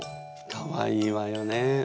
かわいいわよね。